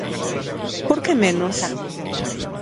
¿Por que menos?